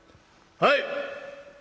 「はい！」。